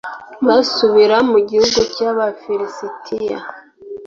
basubira mu gihugu cy’abafilisitiya